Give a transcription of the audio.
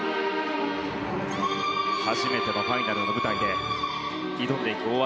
初めてのファイナルの舞台で挑んでいく大技。